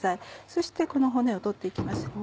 そしてこの骨を取って行きます。